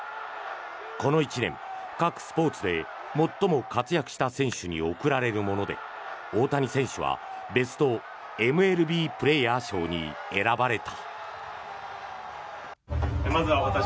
この１年、各スポーツで最も活躍した選手に贈られるもので大谷選手はベストＭＬＢプレーヤー賞に選ばれた。